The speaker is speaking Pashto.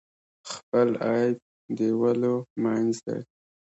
خپل عیب د ولیو منځ دی.